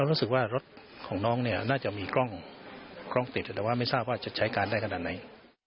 รู้สึกว่ารถของน้องเนี่ยน่าจะมีกล้องติดแต่ว่าไม่ทราบว่าจะใช้การได้ขนาดไหน